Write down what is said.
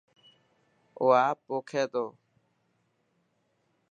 او آپ پوکي ٿو.